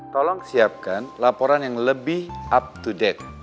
tolong siapkan laporan yang lebih up to date